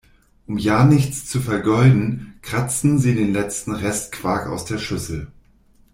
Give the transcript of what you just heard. Um ja nichts zu vergeuden, kratzen sie den letzten Rest Quark aus der Schüssel.